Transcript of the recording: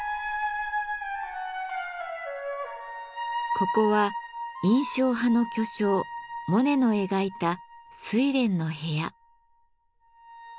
ここは印象派の巨匠・モネの描いた「睡蓮」の部屋。